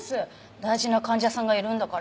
大事な患者さんがいるんだから。